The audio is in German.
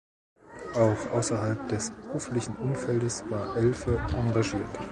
Aber auch außerhalb des beruflichen Umfeldes war Elfe engagiert.